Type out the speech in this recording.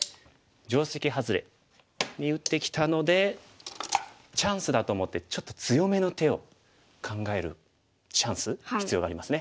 定石ハズレに打ってきたのでチャンスだと思ってちょっと強めの手を考えるチャンス必要がありますね。